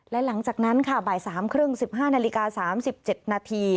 และหลังจากนั้นค่ะบ่าย๓๓๐น๑๕๐๐น๓๗น